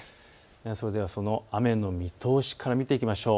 それではその雨の見通しから見ていきましょう。